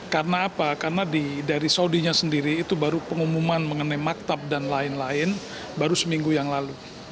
karena apa karena dari saudinya sendiri itu baru pengumuman mengenai maktab dan lain lain baru seminggu yang lalu